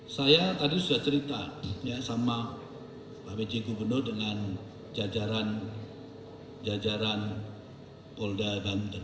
saya tadi sudah cerita ya sama pak wc gubernur dengan jajaran jajaran polda banten